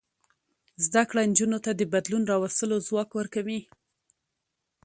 زده کړه نجونو ته د بدلون راوستلو ځواک ورکوي.